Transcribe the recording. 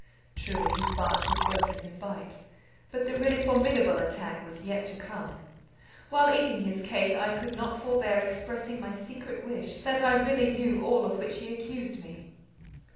Truly his bark was worse than his bite; but the really formidable attack was yet to come. While eating his cake, I could not forbear expressing my secret wish that I really knew all of which he accused me.